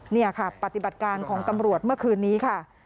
นี่ค่ะปฏิบัติการของตำรวจเมื่อคืนนี้ค่ะ